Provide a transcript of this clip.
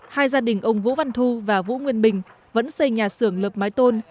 hai gia đình ông vũ văn thu và vũ nguyên bình vẫn xây nhà xưởng lợp mái tôn